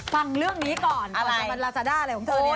ฟังเรื่องนี้ก่อนลาซาด้าอะไร